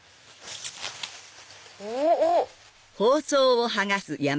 おっ！